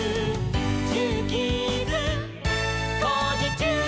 「ジューキーズ」「こうじちゅう！」